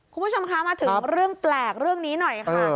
คุณผู้ชมคะมาถึงเรื่องแปลกเรื่องนี้หน่อยค่ะ